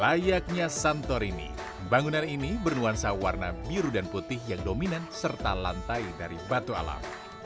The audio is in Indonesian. layaknya santorini bangunan ini bernuansa warna biru dan putih yang dominan serta lantai dari batu alam